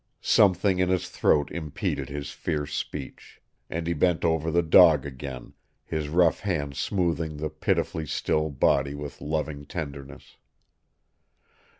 Something in his throat impeded his fierce speech. And he bent over the dog again, his rough hands smoothing the pitifully still body with loving tenderness.